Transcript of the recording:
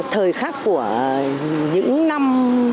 thời khắc của những năm bảy mươi bảy mươi hai